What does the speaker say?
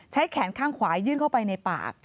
แขนข้างขวายื่นเข้าไปในปาก